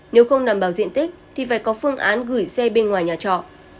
nếu không đảm bảo diện tích thì phải có phương án gửi xe bên ngoài nhà trọ